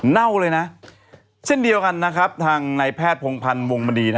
เน่าเลยนะเช่นเดียวกันนะครับทางนายแพทย์พงพันธ์วงมณี